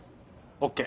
ＯＫ